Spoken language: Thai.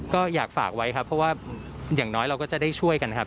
ก็อยากฝากไว้ครับเพราะว่าอย่างน้อยเราก็จะได้ช่วยกันครับ